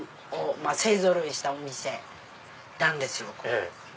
まぁ勢ぞろいしたお店なんです。